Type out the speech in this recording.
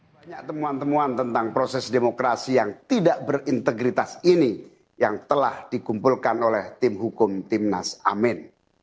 banyak temuan temuan tentang proses demokrasi yang tidak berintegritas ini yang telah dikumpulkan oleh tim hukum timnas amin